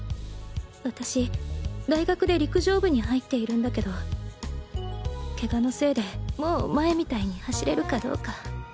私大学で陸上部に入っているんだけど怪我のせいでもう前みたいに走れるかどうか。